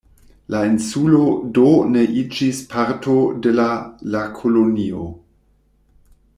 La insulo do ne iĝis parto de la la kolonio.